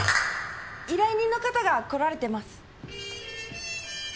依頼人の方が来られてます